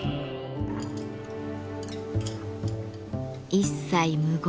一切無言。